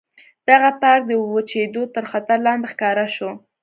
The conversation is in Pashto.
دغه پارک د وچېدو تر خطر لاندې ښکاره شو.